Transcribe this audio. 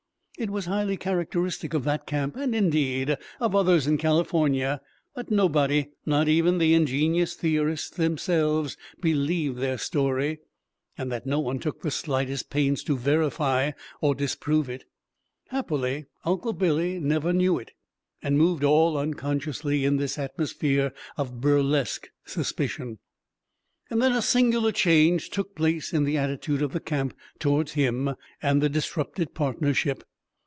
It was highly characteristic of that camp and, indeed, of others in California that nobody, not even the ingenious theorists themselves, believed their story, and that no one took the slightest pains to verify or disprove it. Happily, Uncle Billy never knew it, and moved all unconsciously in this atmosphere of burlesque suspicion. And then a singular change took place in the attitude of the camp towards him and the disrupted partnership.